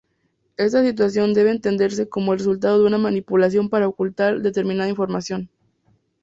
Esta situación debe entenderse como el resultado de una manipulación para ocultar determinada información.